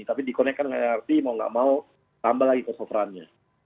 tapi dikonekkan dengan lrt mau nggak mau tambah lagi kosoferannya